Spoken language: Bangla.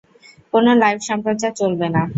কোন লাইভ সম্প্রচার চলবে না।